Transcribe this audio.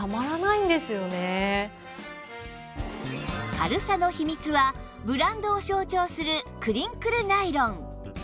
軽さの秘密はブランドを象徴するクリンクルナイロン